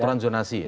peraturan zonasi ya